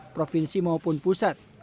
provinsi maupun pusat